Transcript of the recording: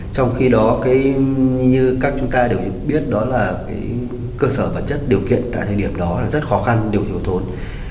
trong khi đó như các chúng ta đều biết cơ sở vật chất điều kiện tại thời điểm đó rất khó khăn điều hiểu thôn